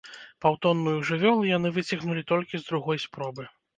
Паўтонную жывёлу яны выцягнулі толькі з другой спробы.